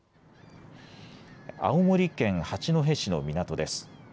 青森県八戸市の港です。